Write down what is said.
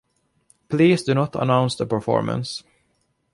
Please do not announce the performance.